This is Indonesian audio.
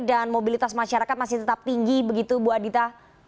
dan mobilitas masyarakat masih tetap tinggi begitu bu adita